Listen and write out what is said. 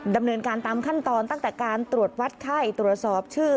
ดำเนินการตามขั้นตอนตั้งแต่การตรวจวัดไข้ตรวจสอบชื่อ